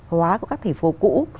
hóa của các thị phố cũ